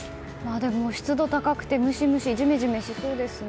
でも、湿度が高くてムシムシ、ジメジメしそうですね。